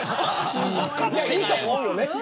いいと思うよね。